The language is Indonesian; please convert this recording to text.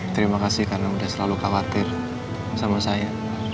terima kasih karena sudah selalu khawatir sama saya